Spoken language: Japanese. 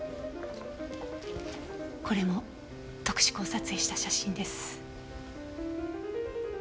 これも特殊光撮影した写真です。